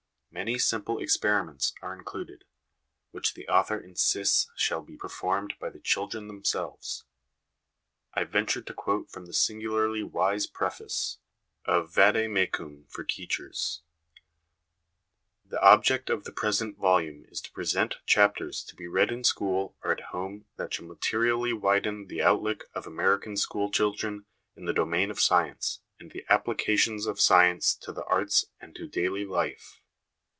Many simple experiments are included, which the author insists shall be per formed by the children themselves. I venture to quote from the singularly wise preface, a vade mecum for teachers :" The object of the present volume is to present chapters to be read in school or at home that shall materially widen the outlook of American school children in the domain of science, and of the applica tions of science to the arts and to daily life.